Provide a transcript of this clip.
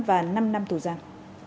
và năm năm tù giang